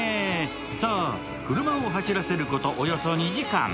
さあ、車を走らせることおよそ２時間。